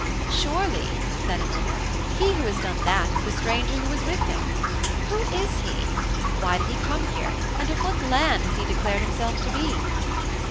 'Surely,' said another, 'he who has done that is the stranger who was with him. Who is he? Why did he come here, and of what land has he declared himself to be?'